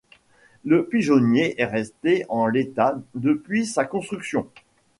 Le pigeonnier est resté en l'état depuis sa construction.